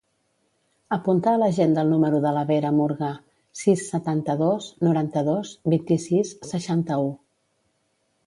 Apunta a l'agenda el número de la Vera Murga: sis, setanta-dos, noranta-dos, vint-i-sis, seixanta-u.